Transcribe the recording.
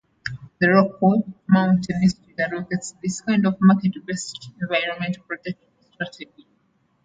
The Rocky Mountain Institute advocates this kind of market-based environmental protection strategy.